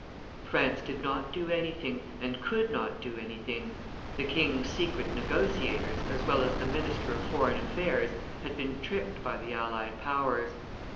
France did not do anything, and could not do anything; the king's secret negotiators, as well as the minister of foreign affairs, had been tricked by the allied powers.